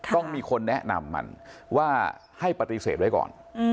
ต้องมีคนแนะนำมันว่าให้ปฏิเสธไว้ก่อน